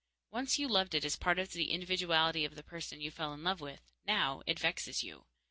Once you loved it as a part of the individuality of the person you fell in love with. Now it vexes you.